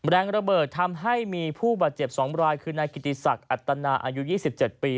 แรงระเบิดทำให้ผู้แปดเจ็บ๒รายในคิติสักอธนายอายุ๒๗ปี